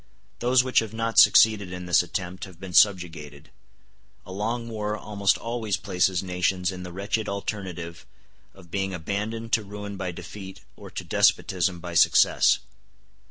Those which have not succeeded in this attempt have been subjugated. A long war almost always places nations in the wretched alternative of being abandoned to ruin by defeat or to despotism by success.